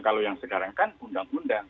kalau yang sekarang kan undang undang